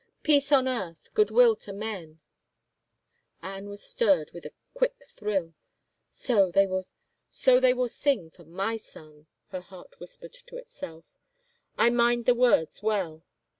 Peace on earth, good will to men !'" Anne was stirred with a quick thrill. " So will they sing for my son," her heart whispered to itself. " I mind the words well.